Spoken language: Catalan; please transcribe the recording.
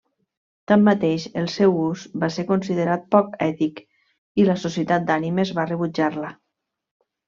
Tanmateix, el seu ús va ser considerat poc ètic i la Societat d'Ànimes va rebutjar-la.